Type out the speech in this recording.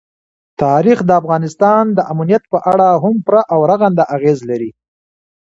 تاریخ د افغانستان د امنیت په اړه هم پوره او رغنده اغېز لري.